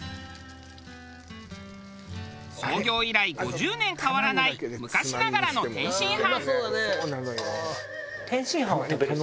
創業以来５０年変わらない昔ながらの天津飯。